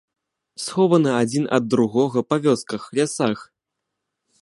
Схованы адзін ад другога па вёсках, лясах.